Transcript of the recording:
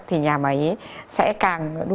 thì nhà máy ấy sẽ càng